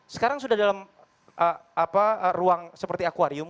sekarang sudah dalam ruang seperti akwarium